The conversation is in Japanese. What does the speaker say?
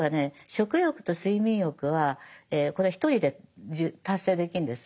食欲と睡眠欲はこれ１人で達成できるんです。